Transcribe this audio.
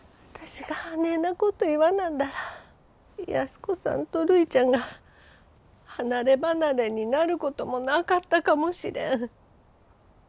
私があねえなこと言わなんだら安子さんとるいちゃんが離れ離れになることもなかったかもしれん。